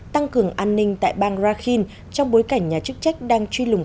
tăng cường an ninh tại bang rakhin trong bối cảnh nhà chức trách đang truy lùng